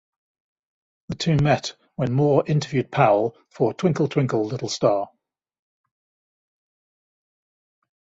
The two met when Moore interviewed Powell for "Twinkle, Twinkle, Little Star".